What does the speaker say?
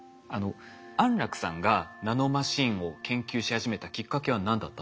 安楽さんがナノマシンを研究し始めたきっかけは何だったんでしょうか？